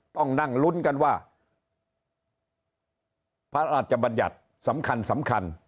ต้องนั่งลุ้นกันว่าพระราชบัญญัติสำคัญสำคัญ